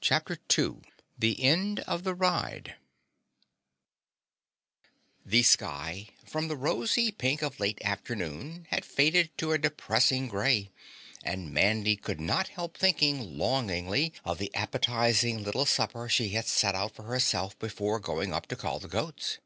CHAPTER 2 The End of the Ride The sky, from the rosy pink of late afternoon, had faded to a depressing grey, and Mandy could not help thinking longingly of the appetizing little supper she had set out for herself before going up to call the goats.